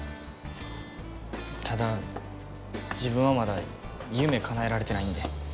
ただ自分はまだ夢叶えられてないんで。